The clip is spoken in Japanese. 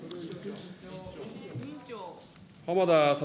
浜田聡